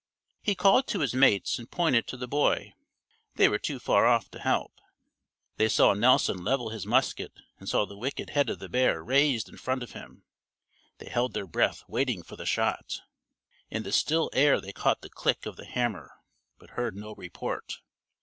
He called to his mates and pointed to the boy. They were too far off to help. They saw Nelson level his musket and saw the wicked head of the bear raised in front of him. They held their breath waiting for the shot. In the still air they caught the click of the hammer, but heard no report.